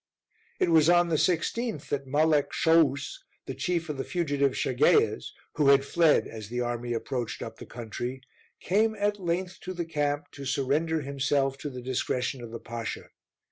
It was on the 16th that Malek Shouus, the chief of the fugitive Shageias, who had fled as the army approached up the country, came at length to the camp to surrender himself to the discretion of the Pasha.